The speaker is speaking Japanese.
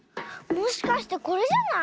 もしかしてこれじゃない？